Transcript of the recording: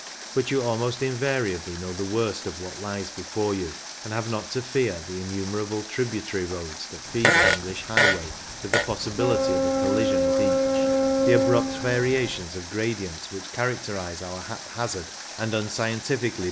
But you almost invariably know the worst of what lies before you, and have not to fear the innumerable tributary roads that feed an English highway, with the possibility of a collision at each ; the abrupt variations of gradient which charac terise our haphazard and unscientifically ZIGZAGS ON THE STELVIO PASS : ANOTHER VIEW. WHAT ARE THE RISKS?